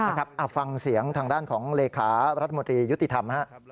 อ่าฟังเสียงทางด้านของเลขาประธรรมดียุติธรรม